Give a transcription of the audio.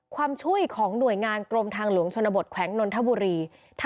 ช่วยของหน่วยงานกรมทางหลวงชนบทแขวงนนทบุรี